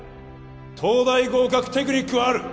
東大合格テクニックはある！